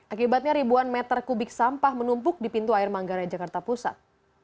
akibatnya ribuan meter kubik sampah menumpuk di pintu air manggarai jakarta pusat